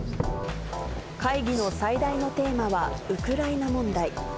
会議の最大のテーマはウクライナ問題。